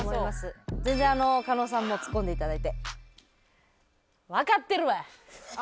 全然加納さんもツッコんでいただいて。